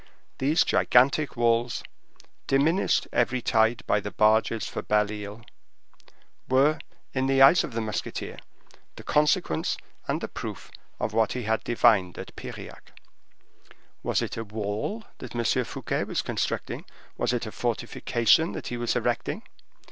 These gigantic walls, diminished every tide by the barges for Belle Isle, were, in the eyes of the musketeer, the consequence and the proof of what he had well divined at Piriac. Was it a wall that M. Fouquet was constructing? Was it a fortification that he was erecting?